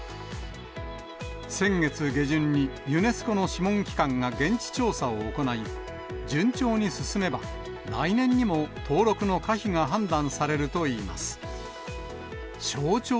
先月下旬にユネスコの諮問機関が現地調査を行い、順調に進めば、来年にも登録の可否が判断されるといいます。